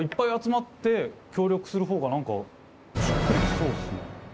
そうっすね